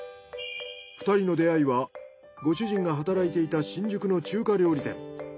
２人の出会いはご主人が働いていた新宿の中華料理店。